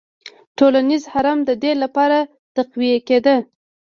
ټولنیز هرم د دې لپاره تقویه کېده.